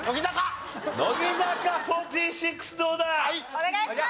お願いします！